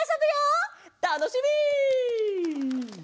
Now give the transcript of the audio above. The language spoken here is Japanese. たのしみ！